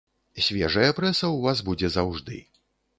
Свежая прэса ў вас будзе заўжды.